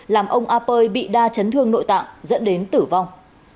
làm ông a pơi bị đa chấn thương nội tạng dẫn đến tử vong